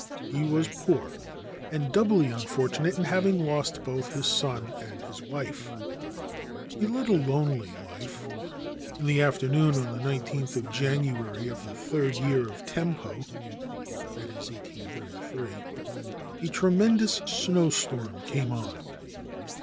He was poor, and doubly unfortunate in having lost both his son and his wife. He led a lonely life. In the afternoon of the i^th of January of the third year of Tem po — that is, 1833 — a tremendous snowstorm came on.